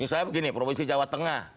misalnya begini provinsi jawa tengah